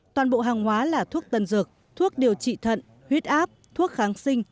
toàn bộ hàng hóa là thuốc tân dược thuốc điều trị thận huyết áp thuốc kháng sinh